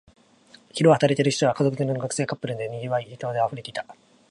昼は働いている人や、家族連れや学生、カップルで賑わい、人で溢れていた